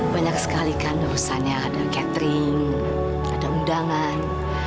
banyak sekali kan barusannya ada catering ada undangan